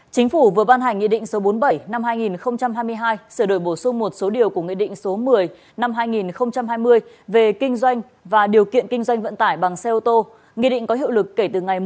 chính phủ vừa ban hành nghị định số bốn mươi bảy năm hai nghìn hai mươi hai sẽ đổi bổ sung một số điều của nghị định số một mươi năm hai nghìn hai mươi về kinh doanh và điều kiện kinh doanh vận chuyển